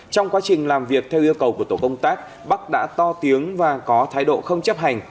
trong quá trình làm việc theo yêu cầu của tổ công tác bắc đã to tiếng và có thái độ không chấp hành